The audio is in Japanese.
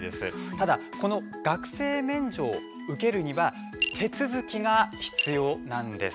ただ、この学生免除を受けるには手続きが必要なんです。